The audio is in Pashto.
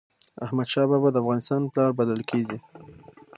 احمد شاه بابا د افغانستان پلار بلل کېږي.